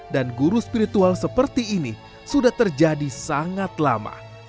dan guru spiritual seperti ini sudah terjadi sangat lama